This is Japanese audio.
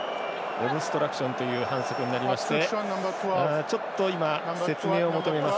オブストラクションという反則になりまして今、説明を求めます